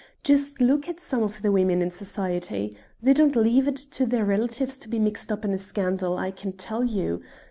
Just look at some of the women in Society. They don't leave it to their relatives to be mixed up in a scandal, I can tell you.